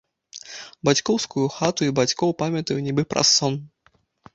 Бацькоўскую хату і бацькоў памятаю нібы праз сон.